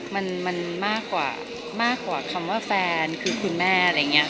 มันมากกว่าคำว่าแฟนคือคุณแม่